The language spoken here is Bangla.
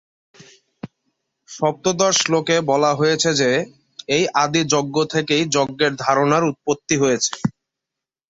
সপ্তদশ শ্লোকে বলা হয়েছে যে, এই আদি যজ্ঞ থেকেই যজ্ঞের ধারণার উৎপত্তি হয়েছে।